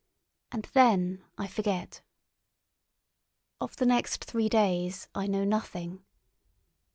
And then I forget. Of the next three days I know nothing.